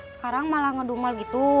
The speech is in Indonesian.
sekarang malah ngedumel gitu